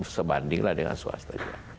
sebandinglah dengan swasta